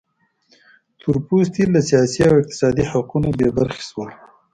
تور پوستي له سیاسي او اقتصادي حقونو بې برخې شول.